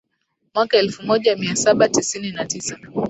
mwaka elfu moja mia saba tisini na tisa